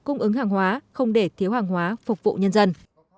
cung ứng hàng hóa không để thiếu hàng hóa phục vụ nhân dân